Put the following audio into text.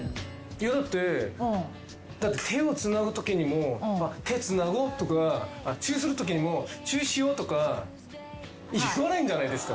いやだって手をつなぐときにも「手つなごう」とかチューするときにも「チューしよう」とか言わないじゃないですか